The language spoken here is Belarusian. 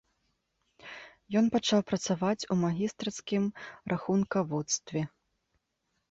Ён пачаў працаваць у магістрацкім рахункаводстве.